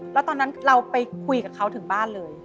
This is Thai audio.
แล้วตอนนั้นเราไปคุยกับเขาถึงบ้านเลย